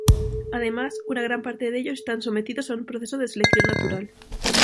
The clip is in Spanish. Además, una gran parte de ellos están sometidos a un proceso de selección natural.